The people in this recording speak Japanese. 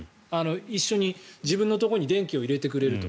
一緒に自分のところに電気を入れてくれると。